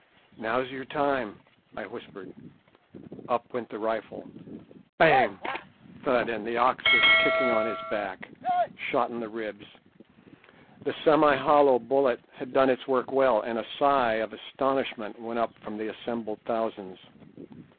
"Now's your time," I whispered. Up went the rifle. Bang! thud! and the ox was kicking on his back, shot in the ribs. The semi hollow bullet had done its work well, and a sigh of astonishment went up from the assembled thousands.